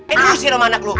eh lu sih sama anak lu